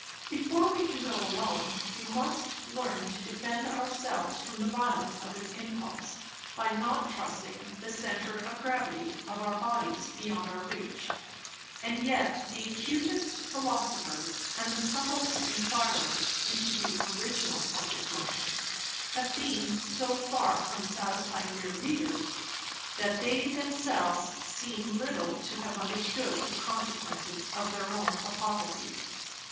Before we can go alone, we must learn to defend our selves from the Violence of its Impulse, by not trusting the Center of Gravity of our Bodies beyond our reach; and yet the acutest Philosophers, and the subtilest Enquirers into the Original of this Motion, have been so far from satisfying their Readers, that they themselves seem little to have understood the Consequences of their own Hypotheses.